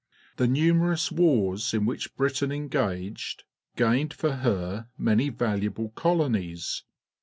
c^{Th e numerous wars in which Britain engaged gained for her rnanj'^ ^xaluable — colonies.